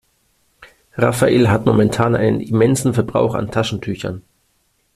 Rafael hat momentan einen immensen Verbrauch an Taschentüchern.